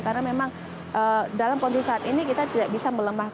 karena memang dalam kondisi saat ini kita tidak bisa melembabkan